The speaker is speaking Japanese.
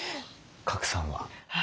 賀来さんは？